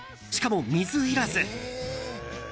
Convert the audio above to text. しかも水いらず。